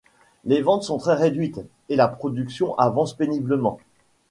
Les ventes sont très réduites et la production avance péniblement.